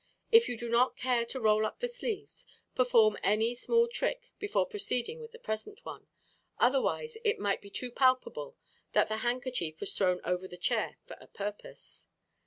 If you do not care to roll up the sleeves, perform any small trick before proceeding with the present one, otherwise it might be too palpable that the handkerchief was thrown over the chair for a purpose.